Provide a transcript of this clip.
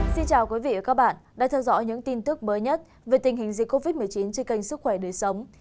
xin chào quý vị và các bạn đang theo dõi những tin tức mới nhất về tình hình dịch covid một mươi chín trên kênh sức khỏe đời sống